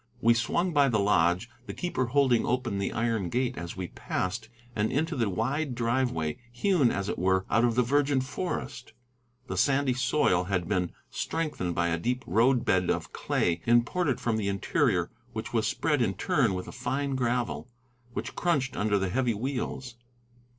We swung by the lodge, the keeper holding open the iron gate as we passed, and into the wide driveway, hewn, as it were, out of the virgin forest. The sandy soil had been strengthened by a deep road bed of clay imported from the interior, which was spread in turn with a fine gravel, which crunched under the heavy wheels.